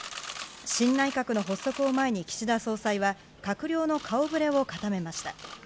新内閣の発足を前に、岸田総裁は閣僚の顔ぶれを固めました。